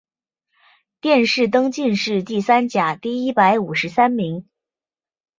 殿试登进士第三甲第一百五十三名。